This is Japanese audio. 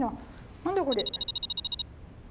何だこれ？